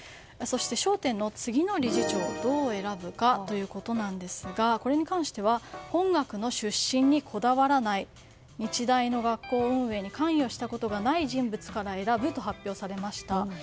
そして、焦点の次の理事長をどう選ぶかですがこれに関しては本学の出身にこだわらない日大の学校運営に関与したことがない人物から選ぶと発表されました。